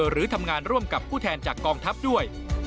หรือทำงานร่วมกับผู้แทนจากกองทัพด้วย